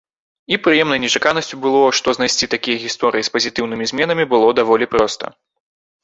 І прыемнай нечаканасцю было, што знайсці такія гісторыі з пазітыўнымі зменамі было даволі проста.